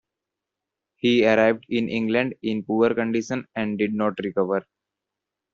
He arrived in England in poor condition and did not recover.